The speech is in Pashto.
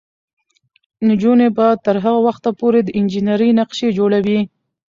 نجونې به تر هغه وخته پورې د انجینرۍ نقشې جوړوي.